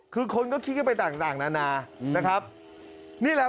คือคนก็คิดกันไปต่างต่างนานานะครับนี่แหละ